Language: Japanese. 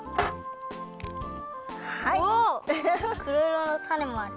くろいろのたねもある。